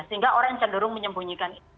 sehingga orang yang cenderung menyembunyikan itu